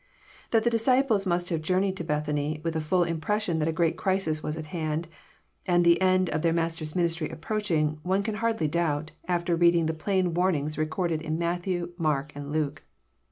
That the disciples must have Journeyed to Bethany with a full impression that a great crisis was at hand, and the end of their Master's ministry approaching, one can hardly doubt, after read ing the plain warnings recorded in Matthew, Mark, and Luke.